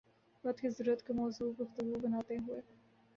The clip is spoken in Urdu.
وقت کی ضرورت کو موضوع گفتگو بناتے ہوئے